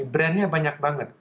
brandnya banyak banget